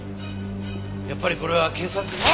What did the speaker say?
やっぱりこれは警察に。